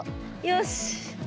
よし。